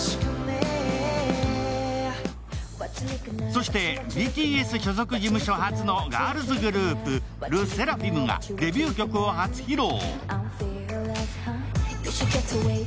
そして、ＢＴＳ所属事務初のガールズグループ、ＬＥＳＳＥＲＡＦＩＭがデビュー曲を初披露。